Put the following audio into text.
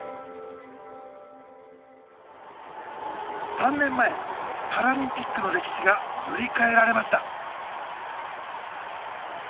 ３年前パラリンピックの歴史が塗り替えられました。